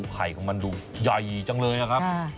ไข่ของมันดูใหญ่จังเลยนะครับ